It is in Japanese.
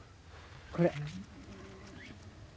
これ。